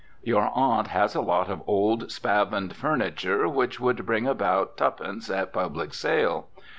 Your aunt has a lot of old spavined furniture which would bring about tu'pence at public sale.